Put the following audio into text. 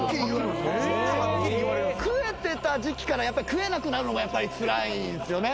食えてた時期から食えなくなるのがつらいんすよね。